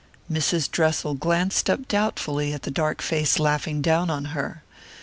Mrs. Dressel glanced up doubtfully at the dark face laughing down on her.